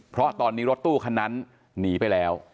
เพราะตอนนี้รถตู้คันนั้นหนีไปแล้ว